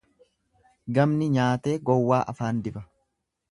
Gamni nyaatee gowwaa afaan diba.